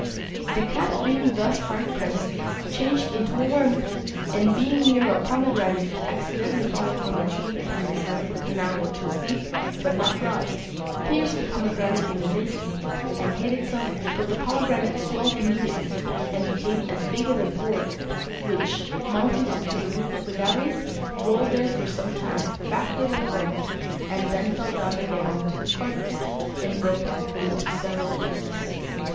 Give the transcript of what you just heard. The cat, being thus hard pressed, changed into a worm, and being near a pomegranate accidentally fallen from a tree on the side of a canal which was deep, but not broad, pierced the pomegranate in an instant, and hid itself, but the pomegranate swelled immediately, and became as big as a gourd, which, mounting up to the roof of the gallery, rolled there for some time backward and forward; it then fell down again into the court, and broke into several pieces.